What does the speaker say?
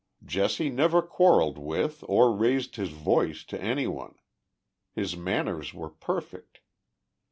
"Jesse never quarrelled with or raised his voice to any one. His manners were perfect.